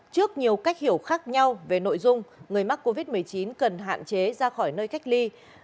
trước nhiều cách hiểu khác nhau về nội dung người mắc covid một mươi chín cần hạn chế ra khỏi nơi cách ly